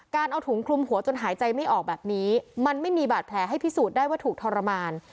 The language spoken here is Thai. เอาถุงคลุมหัวจนหายใจไม่ออกแบบนี้มันไม่มีบาดแผลให้พิสูจน์ได้ว่าถูกทรมาน